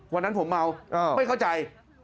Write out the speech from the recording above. วันนั้นผมเมาไม่เข้าใจ